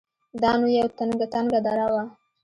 دا نو يوه تنگه دره وه.